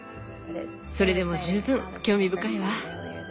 それでも十分興味深いわ。